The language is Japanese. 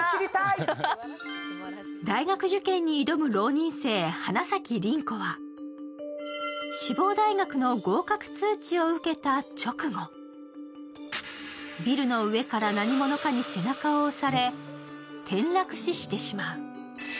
大学受験に挑む浪人生・花咲凛子は志望大学の合格通知を受けた直後、ビルの上から何者かに背中を押され転落死してしまう。